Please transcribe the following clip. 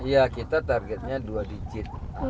iya kita targetnya dua digit